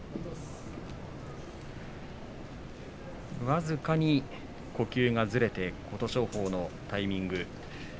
僅かに呼吸がずれて琴勝峰のタイミング。